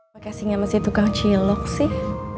pake singa sama si tukang cilok sih